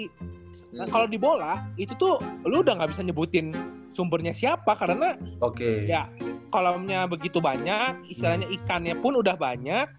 dan kalo di bola itu tuh lo udah gak bisa nyebutin sumbernya siapa karena ya kolamnya begitu banyak istilahnya ikannya pun udah banyak